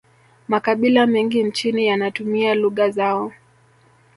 makabila mengi nchini yanatumia lugha zao